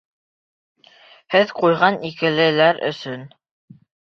Һеҙ ҡуйған «икеле»ләр өсөн.